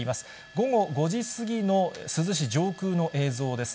午後５時過ぎの珠洲市上空の映像です。